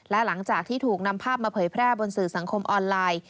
และหลังจากที่ถูกนำภาพมาเผยแพร่บนสื่อสังคมออนไลน์